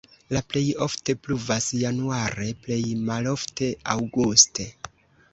La plej ofte pluvas januare, plej malofte aŭguste.